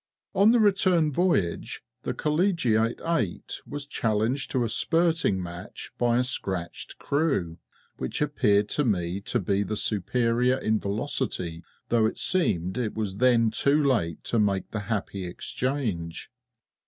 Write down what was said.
On the return voyage the Collegiate eight was challenged to a spurting match by a scratched crew, which appeared to me to be the superior in velocity, though it seemed it was then too late to make the happy exchange.